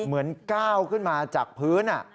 เหมือนก้าวขึ้นมาจากพื้น